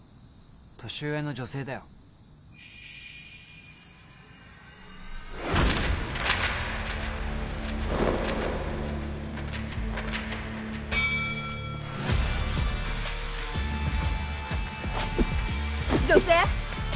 年上の女性だよ女性？